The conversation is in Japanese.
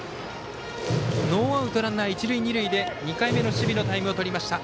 ノーアウトランナー、一塁二塁で２回目の守備のタイムを取りました。